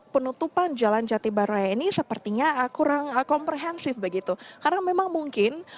penutupan jalan jati baru raya ini sepertinya kurang komprehensif begitu karena memang mungkin